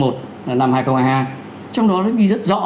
trong năm hai nghìn hai mươi hai trong đó nó ghi rất rõ